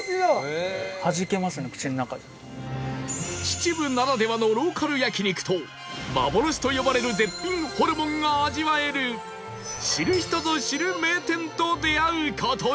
秩父ならではのローカル焼肉と幻と呼ばれる絶品ホルモンが味わえる知る人ぞ知る名店と出会う事に